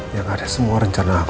yang ada semua rencana aku